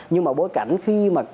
nhưng mà bối cảnh khi mà